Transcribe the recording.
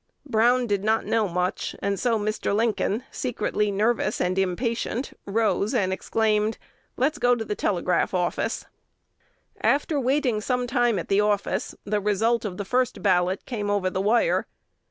Brown did not know much; and so Mr. Lincoln, secretly nervous and impatient, rose and exclaimed, "Let's go to the telegraph office." After waiting some time at the office, the result of the first ballot came over the wire.